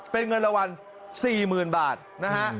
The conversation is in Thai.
เป็นเงินรางวัล๔๐๐๐บาทนะฮะ